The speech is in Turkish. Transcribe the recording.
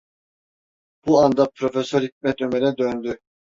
Bu anda Profesör Hikmet Ömer’e döndü: